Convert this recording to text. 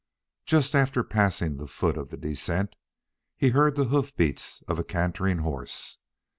Just after passing the foot of the descent, he heard the hoof beats of a cantering horse.